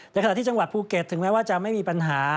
ขณะที่จังหวัดภูเก็ตถึงแม้ว่าจะไม่มีปัญหา